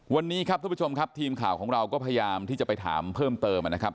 วันนี้ครับทุกผู้ชมครับทีมข่าวของเราก็พยายามที่จะไปถามเพิ่มเติมนะครับ